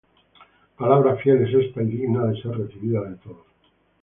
Palabra fiel es esta, y digna de ser recibida de todos.